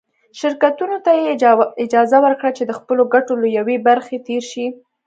شرکتونو ته یې اجازه ورکړه چې د خپلو ګټو له یوې برخې تېر شي.